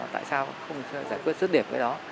tại sao không giải quyết xuất điểm cái đó